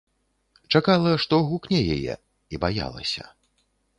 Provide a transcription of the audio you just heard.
Чакала, што гукне яе, і баялася.